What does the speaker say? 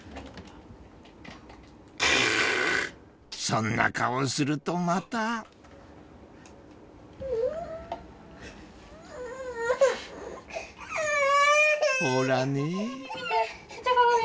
そんな顔するとまたほらねえな